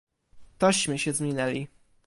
"Tośmy się zminęli!"